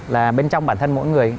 là bên trong bản thân mỗi người